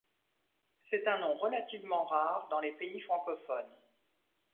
C'est un nom relativement rare dans les pays francophones.